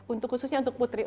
untuk khususnya untuk putri